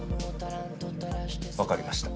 わかりました。